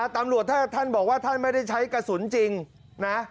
ตำรวจถ้าท่านบอกว่าท่านไม่ได้ใช้กระสุนจริงนะ